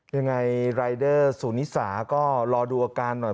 ยังไงรายเดอร์สูนิสาก็รอดูอาการหน่อย